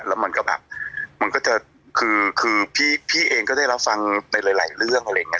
แล้วมันก็แบบมันก็จะคือพี่เองก็ได้รับฟังในหลายเรื่องอะไรอย่างนี้